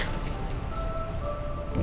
ini kita balik ya